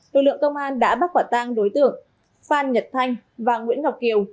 lực lượng công an đã bắt quả tang đối tượng phan nhật thanh và nguyễn ngọc kiều